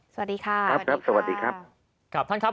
สวัสดีครับ